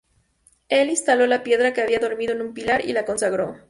Él instaló la piedra que había dormido en un pilar, y la consagró.